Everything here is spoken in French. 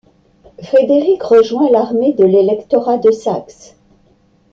Frédéric rejoint l'armée de l'Électorat de Saxe.